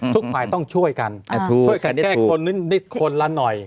ทุกฝ่ายต้องช่วยกันช่วยกันแก้คนนิดคนละหน่อย